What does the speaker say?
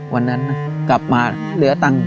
วันนั้นกลับมาเหลือตังค์